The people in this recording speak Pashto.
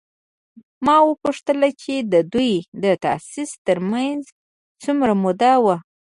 ما وپوښتل چې د دوی د تاسیس تر منځ څومره موده وه؟